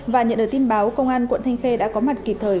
và nhận được tin báo công an quận thanh khê đã có mặt kịp thời